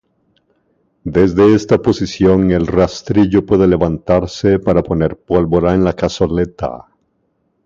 Desde esta posición el "rastrillo" puede levantarse para poner pólvora en la cazoleta.